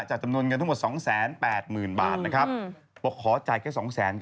จากจำนวนเงินทั้งหมด๒๘๐๐๐๐บาทนะครับปกขอจ่ายแค่๒๐๐๐๐๐กันแล้วกัน